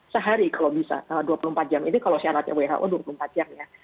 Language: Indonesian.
sehari kalau bisa dua puluh empat jam ini kalau syaratnya who dua puluh empat jam ya